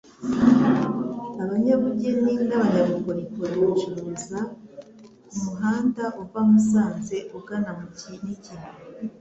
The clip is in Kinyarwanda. abanyabugeni n'abanyabukorikori bacururiza ku muhanda uva Musanze ugana mu Kinigi